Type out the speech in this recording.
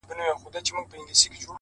o صندان د محبت دي په هر واري مخته راسي،